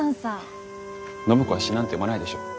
暢子は詩なんて読まないでしょ。